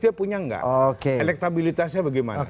dia punya nggak elektabilitasnya bagaimana